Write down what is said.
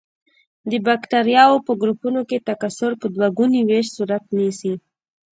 د بکټریاوو په ګروپونو کې تکثر په دوه ګوني ویش صورت نیسي.